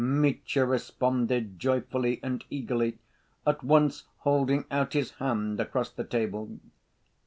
Mitya responded, joyfully and eagerly, at once holding out his hand across the table.